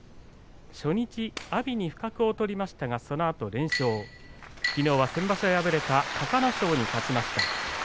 初日、阿炎に不覚を取りましたがそのあと連勝きのうは先場所敗れた隆の勝に勝ちました。